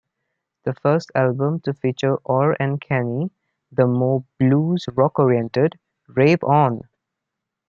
The first album to feature Orr and Kenney, the more blues rock-oriented Rave On!!